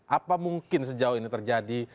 apa mungkin sejauh ini terjadi